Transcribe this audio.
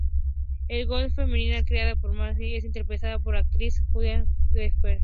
La golem femenina creada por Marge es interpretada por la actriz judía Fran Drescher.